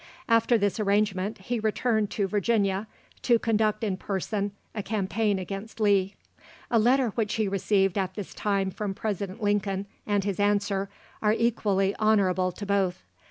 After this arrangement, he returned to Virginia, to conduct in person a campaign against Lee. A letter which he received at this time from President Lincoln, and his answer, are equally honourable to both.